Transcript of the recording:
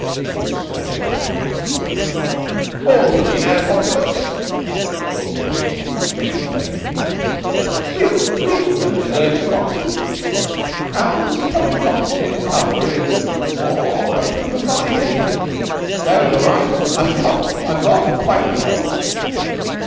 He was sorely ruffled in his mind. "All sereno, Foxibus." Stalky had reached the extreme stage of hiccups. "We we'll never desert you, Foxy. Hounds choppin' foxes in cover is more a proof of vice, ain't it?... No, you're right. I'm I'm not quite well."